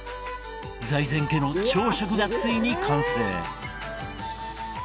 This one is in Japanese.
財前家の朝食がついに完成。